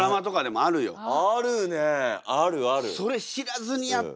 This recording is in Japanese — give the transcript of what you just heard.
あるある。